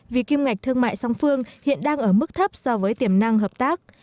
vì kim ngạch thương mại song phương hiện đang ở mức thấp so với tiềm năng hợp tác